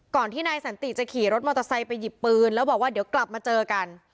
ที่นายสันติจะขี่รถมอเตอร์ไซค์ไปหยิบปืนแล้วบอกว่าเดี๋ยวกลับมาเจอกัน